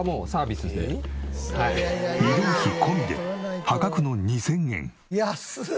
移動費込みで破格の２０００円。